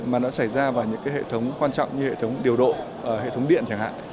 mà nó xảy ra vào những hệ thống quan trọng như hệ thống điều độ hệ thống điện chẳng hạn